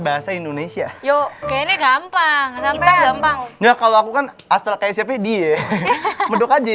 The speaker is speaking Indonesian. bahasa indonesia yo gampang gampang nggak kalau aku kan astral kayak siapa dia